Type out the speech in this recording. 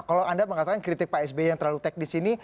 kalau anda mengatakan kritik pak sby yang terlalu teknis ini